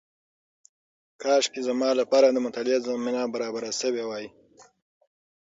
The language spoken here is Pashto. کاشکې زما لپاره د مطالعې زمینه برابره شوې وای.